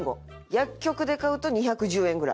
薬局で買うと２１０円ぐらい。